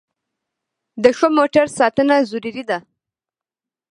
د ښه موټر ساتنه ضروري ده.